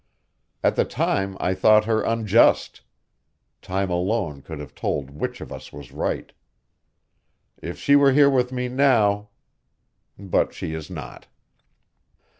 At the time I thought her unjust; time alone could have told which of us was right. If she were here with me now but she is not.